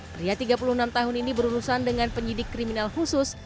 pria tiga puluh enam tahun ini berurusan dengan penyidik kriminal khusus